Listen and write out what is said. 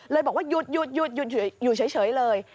เลยบอกว่าหยุดอยู่เฉยเลย